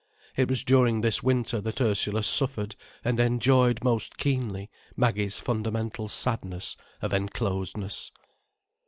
It was during this winter that Ursula suffered and enjoyed most keenly Maggie's fundamental sadness of enclosedness.